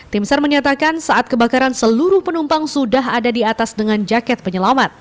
tim sar menyatakan saat kebakaran seluruh penumpang sudah ada di atas dengan jaket penyelamat